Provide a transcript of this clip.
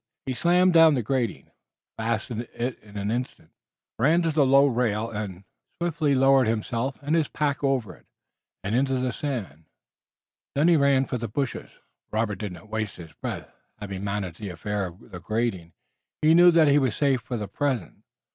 He slammed down the grating, fastened it in an instant, ran to the low rail and swiftly lowered himself and his pack over it and into the sand. Then he ran for the bushes. Robert did not waste his breath. Having managed the affair of the grating, he knew that he was safe for the present.